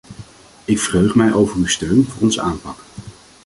Ik verheug mij over uw steun voor onze aanpak.